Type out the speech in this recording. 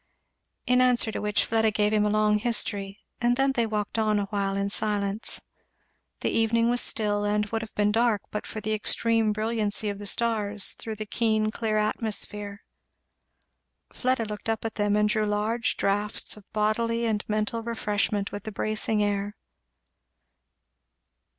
In answer to which Fleda gave him a long history; and then they walked on awhile in silence. The evening was still and would have been dark but for the extreme brilliancy of the stars through the keen clear atmosphere. Fleda looked up at them and drew large draughts of bodily and mental refreshment with the bracing air.